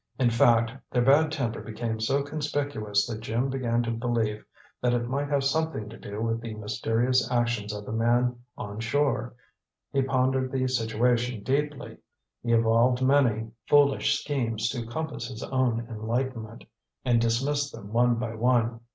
In fact, their bad temper became so conspicuous that Jim began to believe that it might have something to do with the mysterious actions of the man on shore. He pondered the situation deeply; he evolved many foolish schemes to compass his own enlightenment, and dismissed them one by one.